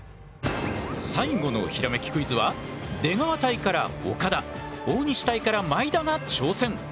最後のひらめきクイズは出川隊から岡田大西隊から毎田が挑戦。